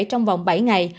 trong vòng bảy ngày